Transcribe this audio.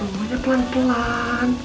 oh semuanya pelan pelan